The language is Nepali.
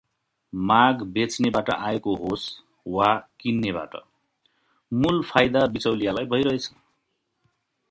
माग बेच्नेबाट आएको होस् वा किन्नेबाट मूल फाइदा बिचौलियालाई भइरहेछ ।